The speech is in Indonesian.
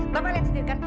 papa yang sedirkan